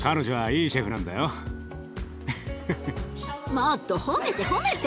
もっと褒めて褒めて！